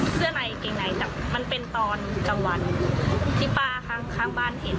เสื้อในแก่งในสักมันเป็นตอนกับวันที่พ่าคร่าวบ้านเห็น